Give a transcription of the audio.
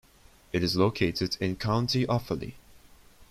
It is located in County Offaly.